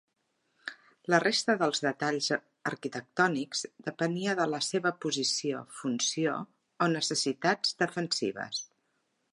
La resta dels detalls arquitectònics depenia de la seva posició, funció o necessitats defensives.